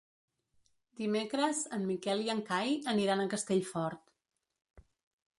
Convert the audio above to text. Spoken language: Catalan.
Dimecres en Miquel i en Cai aniran a Castellfort.